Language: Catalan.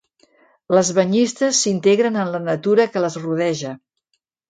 Les banyistes s'integren en la natura que les rodeja.